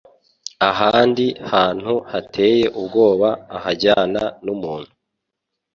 Ahandi hantu hateye ubwoba uhajyana n'umuntu